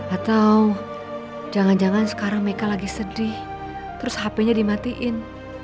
atau jangan jangan sekarang mereka lagi sedih terus hp nya dimatiin